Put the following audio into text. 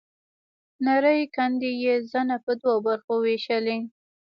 نرۍ کندې يې زنه په دوو برخو وېشلې.